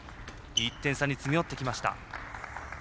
１点差に詰め寄ってきました。